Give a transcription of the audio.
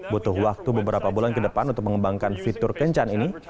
butuh waktu beberapa bulan ke depan untuk mengembangkan fitur kencan ini